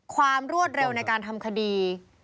ความรวดเร็วในการทำคดี